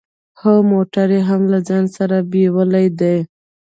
هو موټر يې هم له ځان سره بيولی دی.